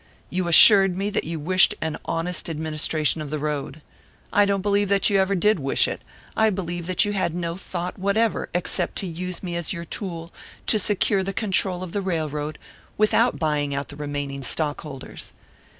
You assured me that you wished an honest administration of the road. I don't believe that you ever did wish it; I believe that you had no thought whatever except to use me as your tool to secure the control of the railroad, without buying out the remaining stockholders.